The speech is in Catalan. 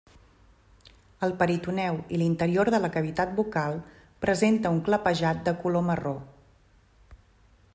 El peritoneu i l'interior de la cavitat bucal presenta un clapejat de color marró.